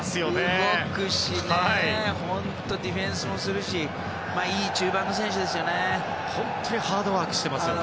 動くしディフェンスもするしいい中盤の選手ですよね。